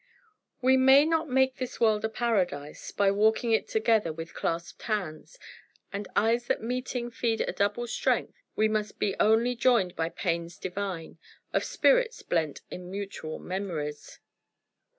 We may not make this world a paradise By walking it together with clasped hands And eyes that meeting feed a double strength. We must be only joined by pains divine, Of spirits blent in mutual memories.